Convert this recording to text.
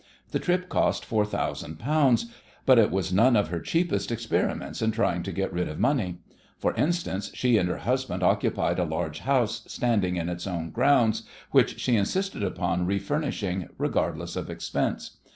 The trip cost four thousand pounds, but it was none of her cheapest experiments in trying to get rid of money. For instance, she and her husband occupied a large house standing in its own grounds, which she insisted upon refurnishing, regardless of expense.